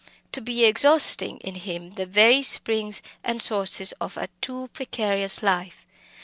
to be exhausting in him the very springs and sources of a too precarious life.